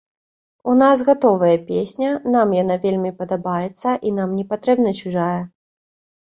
У нас гатовая песня, нам яна вельмі падабаецца і нам не патрэбна чужая.